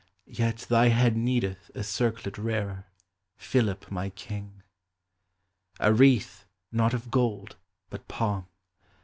Yet thy head needeth a circlet rarer, Philip, my king;— A wreath, not of gold, but palm.